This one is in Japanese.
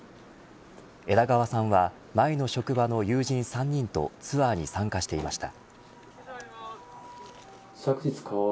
枝川さんは前の職場の友人３人とツアーに参加していました。